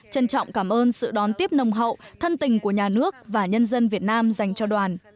trân trọng cảm ơn sự đón tiếp nồng hậu thân tình của nhà nước và nhân dân việt nam dành cho đoàn